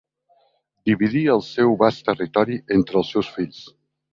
Dividí el seu bast territori entre els seus fills.